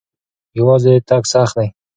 یوازې تګ سخت دی.